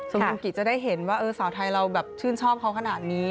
ส่วนคุณกิจจะได้เห็นว่าสาวไทยเราแบบชื่นชอบเขาขนาดนี้